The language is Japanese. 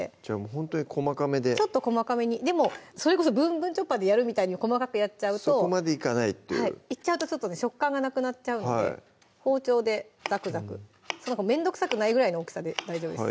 ほんとに細かめでちょっと細かめにでもそれこそ「ぶんぶんチョッパー」でやるみたいに細かくやっちゃうとそこまでいかないっていういっちゃうとちょっとね食感がなくなっちゃうんで包丁でザクザクめんどくさくないぐらいの大きさで大丈夫です